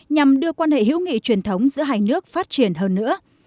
nhằm đưa quan hệ hữu nghị truyền thống giữa hai nước phát triển hơn nữa